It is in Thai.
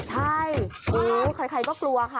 ใช่ใครก็กลัวค่ะ